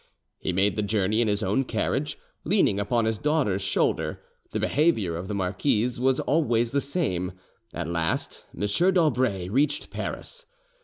He made the journey in his own carriage, leaning upon his daughter's shoulder; the behaviour of the marquise was always the same: at last M. d'Aubray reached Paris.